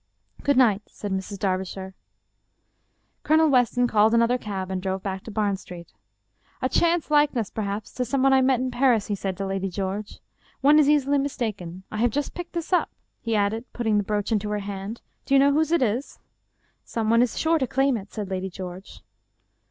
" Good night," said Mrs. Darbishire. Colonel Weston called another cab and drove back to Bam Street. "A chance likeness, perhaps, to some one I met in Paris," he said to Lady George. " One is easily mistaken. I have just picked this up," he added, putting the brooch into her hand; " do you know whose it is? "" Some one is sure to claim it," said Lady George.